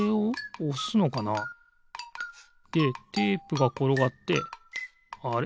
でテープがころがってあれ？